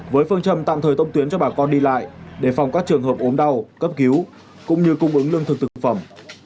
với phương châm tạm thời tông tuyến cho bà con đi lại để phòng các trường hợp ốm đau cấp cứu cũng như cung ứng lương thực thực phẩm